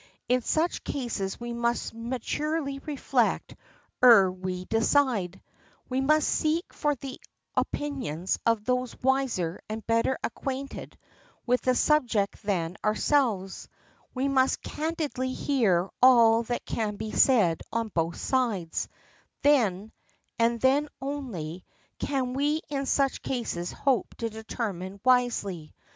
In such cases we must maturely reflect ere we decide; we must seek for the opinions of those wiser and better acquainted with the subject than ourselves; we must candidly hear all that can be said on both sides; then, and then only, can we in such cases hope to determine wisely.